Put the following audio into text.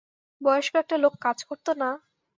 বয়স্ক একটা লোক কাজ করত না?